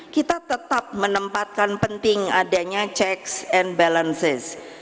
kita tetap menempatkan penting adanya checks and balances